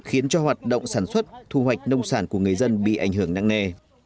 khiến cho hoạt động sản xuất thu hoạch nông sản của người dân bị ảnh hưởng nặng nề